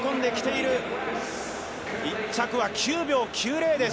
１着は９秒９０です。